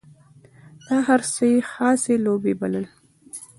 دا هر څه یې خاصې لوبې بلل.